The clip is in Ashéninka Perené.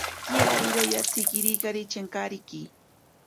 Kiario yatsikikari chenkariki.